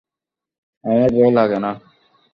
আমার ভয় লাগে না।